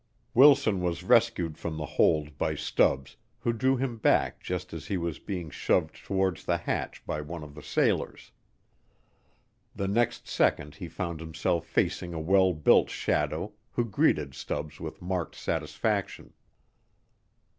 Wilson was rescued from the hold by Stubbs, who drew him back just as he was being shoved towards the hatch by one of the sailors. The next second he found himself facing a well built shadow, who greeted Stubbs with marked satisfaction.